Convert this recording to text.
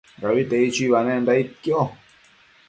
Abitedi chuibanenda aidquio